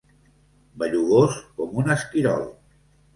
Bellugós com un esquirol.